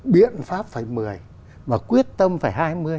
biện pháp phải một mươi và quyết tâm phải hai mươi